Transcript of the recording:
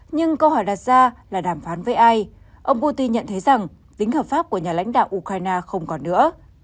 nhưng câu hỏi đặt ra là đàm phán với ai ông putin nhận thấy rằng tính hợp pháp của nhà lãnh đạo ukraine không còn nữa